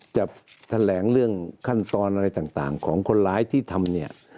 จะแถลงเรื่องขั้นตอนอะไรต่างของคนร้ายที่ทำเนี่ย